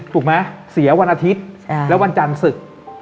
ถูกไหมเสียวันอาทิตย์แล้ววันจันทร์ศึก